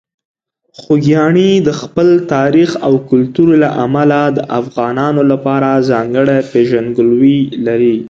خوږیاڼي د خپل تاریخ او کلتور له امله د افغانانو لپاره ځانګړې پېژندګلوي لري.